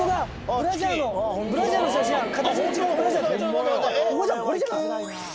ブラジャーの写真ある。